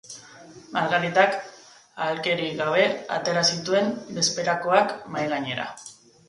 Margaritak ahalkerik gabe atera zituen bezperakoak mahai gainera.